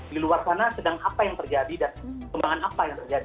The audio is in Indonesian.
di luar sana sedang apa yang terjadi dan kembangan apa yang terjadi